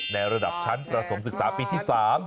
ในระดับชั้นประถมศึกษาปีที่๓